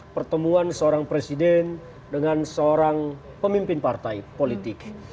pertemuan seorang presiden dengan seorang pemimpin partai politik